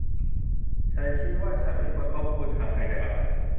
ฉันคิดว่าฉันไม่ควรพบคุณห่างไกลจากอาหาร